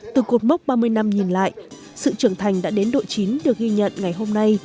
từ cột mốc ba mươi năm nhìn lại sự trưởng thành đã đến độ chín được ghi nhận ngày hôm nay